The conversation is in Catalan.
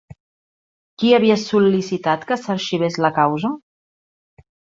Qui havia sol·licitat que s'arxivés la causa?